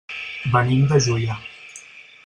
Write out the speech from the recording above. Venim de Juià.